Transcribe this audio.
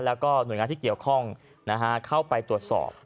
แล้วก็หน่วยงานที่เกี่ยวข้องเข้าไปตรวจสอบ